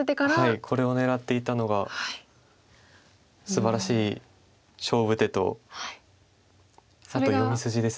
これを狙っていたのがすばらしい勝負手とあと読み筋です。